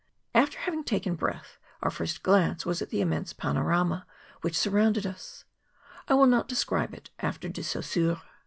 After having taken breath, our first glance was at the immense panorama which surrounded us; I will not describe it after De Saussure.